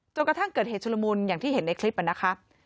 กระทั่งเกิดเหตุชุลมุนอย่างที่เห็นในคลิปนะคะ